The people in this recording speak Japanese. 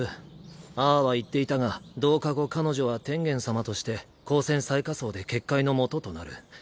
ああは言っていたが同化後彼女は天元様として高専最下層で結界の基となる。